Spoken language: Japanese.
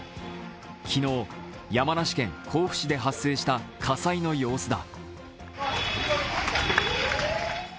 昨日、山梨県甲府市で発生した火災の様子だ。